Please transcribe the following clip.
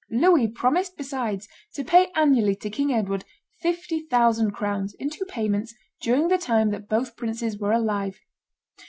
Louis promised besides to pay annually to King Edward fifty thousand crowns, in two payments, during the time that both princes were alive.